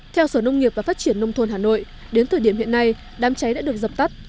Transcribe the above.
theo sở nông nghiệp và phát triển nông thôn hà nội đến thời điểm hiện nay đám cháy đã được dập tắt